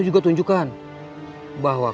juga tunjukkan bahwa